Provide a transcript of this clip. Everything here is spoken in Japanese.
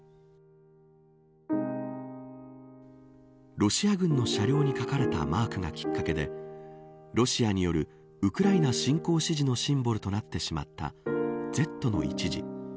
ロシア軍の車両に描かれたマークがきっかけでロシアによるウクライナ侵攻支持のシンボルとなってしまったＺの一字。